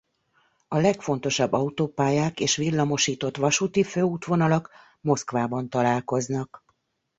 A legfontosabb autópályák és villamosított vasúti fővonalak Moszkvában találkoznak.